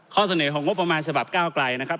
ข้อเสน่ห์ของงบประมาณฉบับ๙กลายนะครับ